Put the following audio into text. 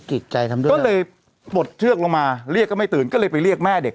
จิตใจทำด้วยก็เลยปลดเชือกลงมาเรียกก็ไม่ตื่นก็เลยไปเรียกแม่เด็ก